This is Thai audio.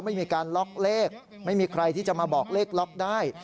ไม่มีการล็อกเลขไม่มีใครที่จะมาบอกเลขล็อกได้